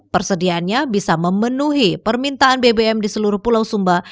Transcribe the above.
persediaannya bisa memenuhi permintaan bbm di seluruh pulau sumba